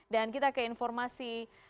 sama sama mbak putri